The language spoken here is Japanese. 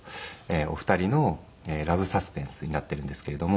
お二人のラブサスペンスになっているんですけれども。